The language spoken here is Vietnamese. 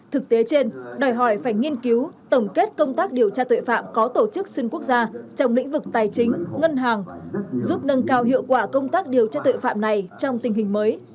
thực tế trên đòi hỏi phải nghiên cứu tổng kết công tác điều tra tội phạm có tổ chức xuyên quốc gia trong lĩnh vực tài chính ngân hàng giúp nâng cao hiệu quả công tác điều tra tội phạm này trong tình hình mới